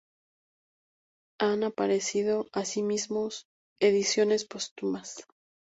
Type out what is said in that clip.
Han aparecido, asimismo, ediciones póstumas.